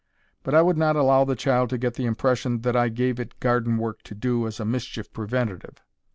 But I would not allow the child to get the impression that I gave it garden work to do as a mischief preventative.